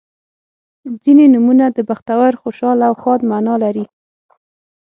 • ځینې نومونه د بختور، خوشحال او ښاد معنا لري.